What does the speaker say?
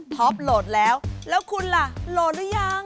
โหลดแล้วแล้วคุณล่ะโหลดหรือยัง